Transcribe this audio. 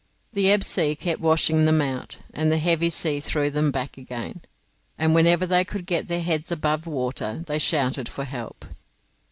The ebb sea kept washing them out, and the heavy sea threw them back again, and whenever they could get their heads above water they shouted for help.